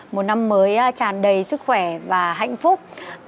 một năm mới tràn đầy sức khỏe và hạnh phúc